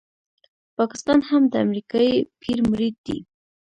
پاکستان هم د امریکایي پیر مرید دی.